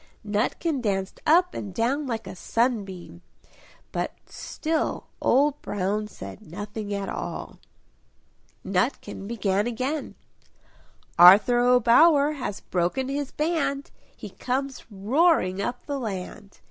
Nutkin danced up and down like a sunbeam; but still Old Brown said nothing at all. Nutkin began again "Arthur O'Bower has broken his band, He comes roaring up the land!